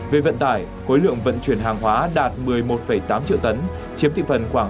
về vận tải khối lượng vận chuyển hàng hóa đạt một mươi một tám triệu tấn chiếm thị phần khoảng ba mươi